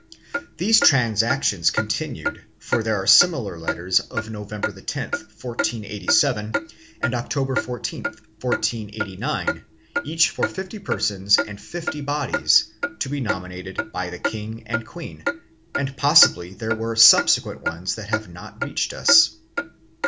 These transactions continued, for there are similar letters of November 10, 1487, and October 14, 1489, each for fifty persons and fifty bodies, to be nominated by the king and queen, and possibly there were subsequent ones that have not reached us.